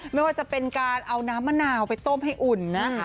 ไม่ว่าจะเป็นการเอาน้ำมะนาวไปต้มให้อุ่นนะคะ